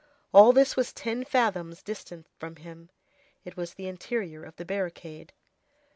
All this was ten fathoms distant from him. It was the interior of the barricade.